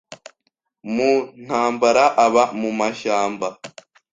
mu ntamabara aba mu mashyamba,